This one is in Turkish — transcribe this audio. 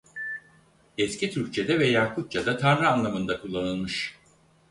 Eski Türkçede ve Yakutçada Tanrı anlamında kullanılmış.